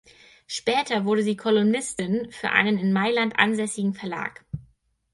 Später wurde sie Kolumnistin für einen in Mailand ansässigen Verlag.